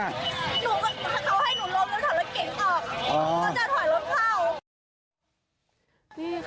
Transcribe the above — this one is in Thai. เขาให้หนูเลยถอยรถเก๋งออก